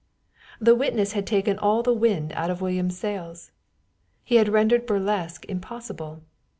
The witness had taken all the wind out of William's sails. He had rendered burlesque impossible.